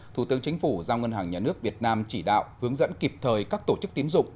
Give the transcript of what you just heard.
thủ tướng chính phủ giao ngân hàng nhà nước việt nam chỉ đạo hướng dẫn kịp thời các tổ chức tiến dụng